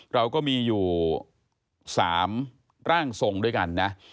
เราก็มีอยู่๓ร่างทรงด้วยกันนะ